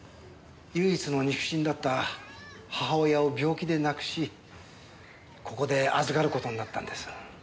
唯一の肉親だった母親を病気で亡くしここで預かる事になったんです。